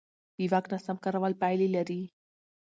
د واک ناسم کارول پایلې لري